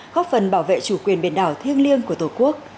góp phần bảo vệ chủ quyền biển đảo thiêng liêng của tổ quốc